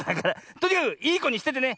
とにかくいいこにしててね。